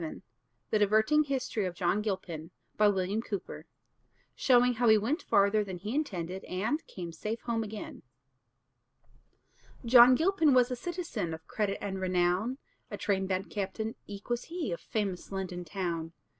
VII THE DIVERTING HISTORY OF JOHN GILPIN SHOWING HOW HE WENT FARTHER THAN HE INTENDED AND CAME SAFE HOME AGAIN John Gilpin was a citizen Of credit and renown, A train band captain eke was he Of famous London town.